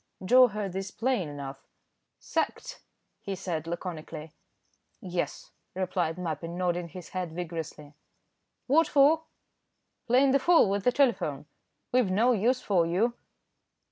Joe heard this plain enough. "Sacked!" he said, laconically. "Yes," replied Mappin, nodding his head vigorously. "What for?" "Playing the fool with the telephone. We've no use for you."